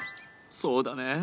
そうだね。